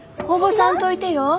こぼさんといてよ。